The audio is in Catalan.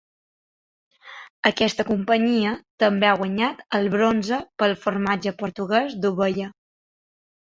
Aquesta companyia també ha guanyat el bronze pel formatge portuguès d’ovella.